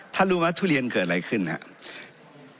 รู้ไหมทุเรียนเกิดอะไรขึ้นครับ